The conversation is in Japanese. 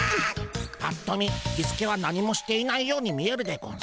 ぱっと見キスケは何もしていないように見えるでゴンスが。